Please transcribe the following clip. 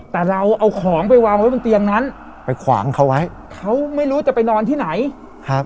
แต่เราเอาของไปวางไว้บนเตียงนั้นไปขวางเขาไว้เขาไม่รู้จะไปนอนที่ไหนครับ